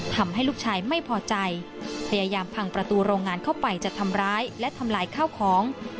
ทำให้ลูกชายไม่พอใจพยายามพังประตูโรงงานเข้าไปจะทำร้ายและทำลายข้าวของ